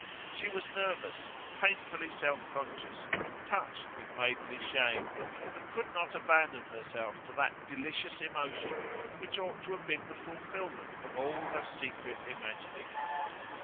She was nervous, painfully self conscious, touched with maidenly shame, but could not abandon herself to that delicious emotion which ought to have been the fulfilment of all her secret imaginings.